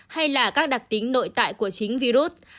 hay là các đặc tính nội tại của chính virus